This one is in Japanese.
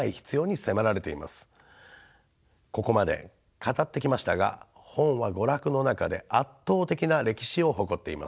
ここまで語ってきましたが本は娯楽の中で圧倒的な歴史を誇っています。